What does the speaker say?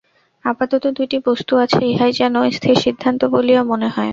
আপাতত দুইটি বস্তু আছে, ইহাই যেন স্থিরসিদ্ধান্ত বলিয়া মনে হয়।